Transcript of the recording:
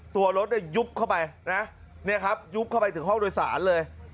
ตัวรถเนี่ยยุบเข้าไปนะเนี่ยครับยุบเข้าไปถึงห้องโดยสารเลย